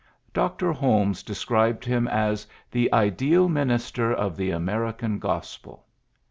Dr. Holmes described him as ^' the ideal minister of the American gospel.